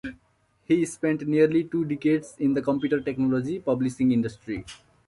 He spent nearly two decades in the computer technology publishing industry.